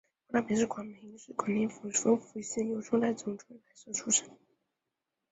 黄大秉是广平省广宁府丰富县春来总春来社出生。